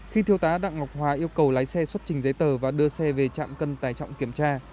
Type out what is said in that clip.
khi thiêu tá đặng ngọc hòa yêu cầu lái xe xuất trình giấy tờ và đưa xe về trạm cân tài trọng kiểm tra